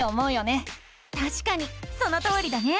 たしかにそのとおりだね！